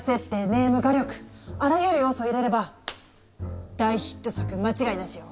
・ネーム・画力あらゆる要素を入れれば大ヒット作間違いなしよ。